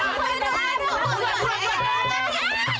kembali kemuliaan kecuali